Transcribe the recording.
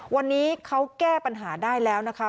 วันนี้เขาแก้ปัญหาได้แล้วนะคะ